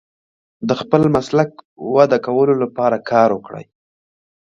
د خپل مسلک وده کولو لپاره کار وکړئ.